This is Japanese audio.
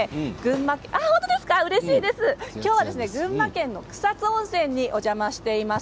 今日は群馬県の草津温泉にお邪魔しています。